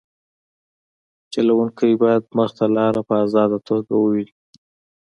چلوونکی باید مخې ته لاره په ازاده توګه وویني